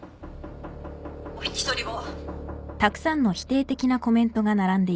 お引き取りを。